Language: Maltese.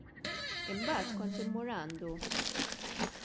Imbagħad kont immur għandu.